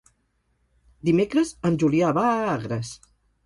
Dimecres en Julià va a Agres.